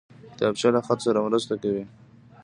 کتابچه له خط سره مرسته کوي